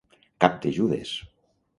Cap de Judes!